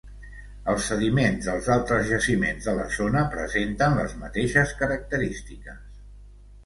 Els sediments dels altres jaciments de la zona presenten les mateixes característiques.